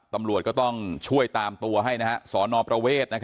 ตำรวจก็ต้องช่วยตามตัวสรอนอเวศ